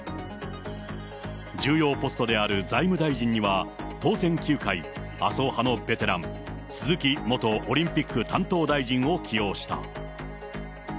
重要ポストである財務大臣には、当選９回、麻生派のベテラン、鈴木元オリンピック担当大臣を起用した。